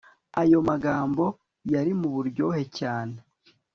Ayo magambo yari muburyohe cyane